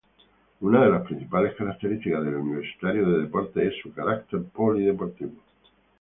Una de las principales características de Universitario de Deportes es su carácter polideportivo.